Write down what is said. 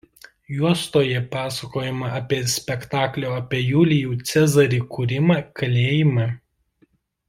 Juostoje pasakojama apie spektaklio apie Julijų Cezarį kūrimą kalėjime.